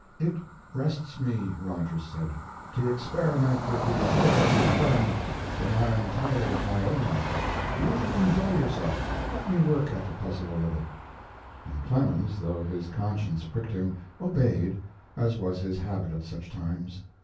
"It rests me," Rogers said, "to experiment with the affairs of a friend when I am tired of my own. You enjoy yourself. Let me work at the puzzle a little." And Clemens, though his conscience pricked him, obeyed, as was his habit at such times.